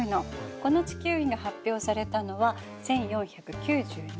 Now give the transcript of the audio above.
この地球儀が発表されたのは１４９２年。